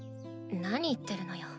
何言ってるのよ